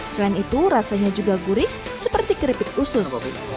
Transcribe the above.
selain itu rasanya juga gurih seperti keripik usus